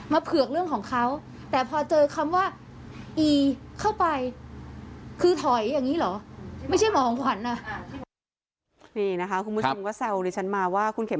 มาเผือกเรื่องของเขาแต่พอเจอคำว่าอีเข้าไปคือถอยอย่างนี้เหรอ